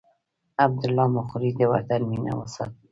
عبدالله مقري د وطن مینه وستایله.